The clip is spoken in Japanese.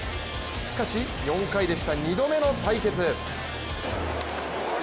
しかし、４回でした２度目の対決。